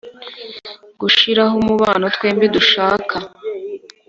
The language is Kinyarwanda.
gushiraho umubano twembi dushaka